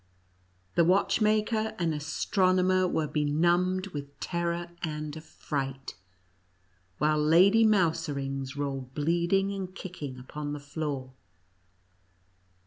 The watchmaker and astronomer were be numbed with terror and affright, while Lady Mouserings rolled bleeding and kicking upon the floor.